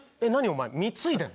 お前貢いでんの？